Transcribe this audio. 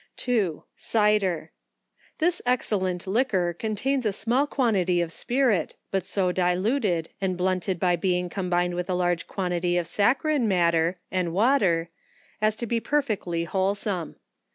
2. Cider. This excellent liquor contains a small quan tity'of spirit, but so diluted, and blunted by being combin ed with a large quantity of saccharine matter, and water, as to be perfectly wholesome.